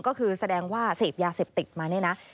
ก็คือแสดงว่าเสพยาเสพติดมาเนี่ยนะ